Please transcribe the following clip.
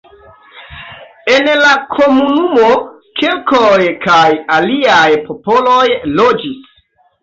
En la komunumo keltoj kaj aliaj popoloj loĝis.